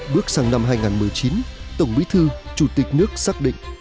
bước sang năm hai nghìn một mươi chín tổng bí thư chủ tịch nước xác định